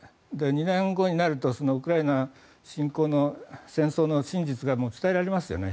２年後になるとウクライナ侵攻の戦争の真実が伝えられますよね。